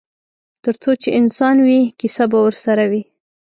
ترڅو چې انسان وي کیسه به ورسره وي.